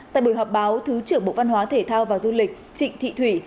tại buổi họp báo thứ trưởng bộ văn hóa thể thao và du lịch trịnh thị thủy